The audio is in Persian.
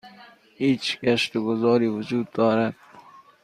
هیچ گشت و گذاری وجود دارد؟